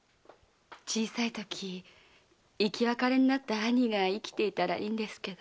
小さいとき生き別れになった兄が生きていたらいいんですけど。